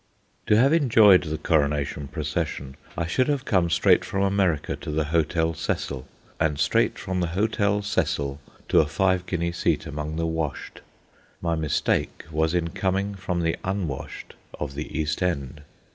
To have enjoyed the Coronation procession, I should have come straight from America to the Hotel Cecil, and straight from the Hotel Cecil to a five guinea seat among the washed. My mistake was in coming from the unwashed of the East End.